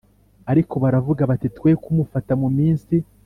ariko baravuga bati Twe kumufata mu minsi